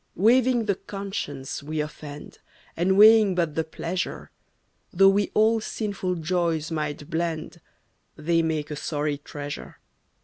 Waiving the conscience we offend, And weighing but the pleasure, Though we all sinful joys might blend, They make a sorry treasure.